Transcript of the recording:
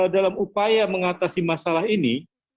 dalam upaya mengatasi masalah ini